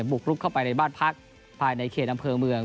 บุกลุกเข้าไปในบ้านพักภายในเขตอำเภอเมือง